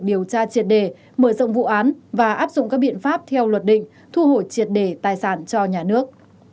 điều tra triệt đề mở rộng vụ án và áp dụng các biện pháp theo luật định thu hồi triệt đề tài sản cho nhà nước